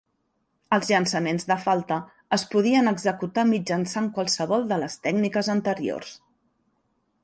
Els llançaments de falta es podien executar mitjançant qualsevol de les tècniques anteriors.